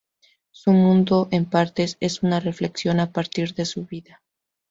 Su mundo en parte es una reflexión a partir de su vida.